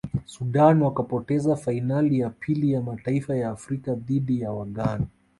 sudan wakapoteza fainali ya pili ya mataifa ya afrika dhidi ya waghnana